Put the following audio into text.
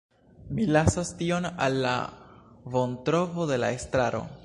Mi lasas tion al la bontrovo de la estraro.